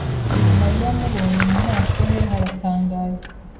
Mariya amubonye, mu maso he haratangaye.